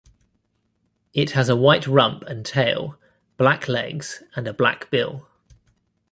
It has a white rump and tail, black legs and a black bill.